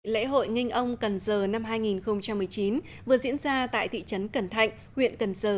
lễ hội nginh ông cần giờ năm hai nghìn một mươi chín vừa diễn ra tại thị trấn cần thạnh huyện cần giờ